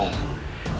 nyimah serara santang